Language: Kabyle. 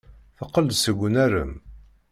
Teqqel-d seg unarem.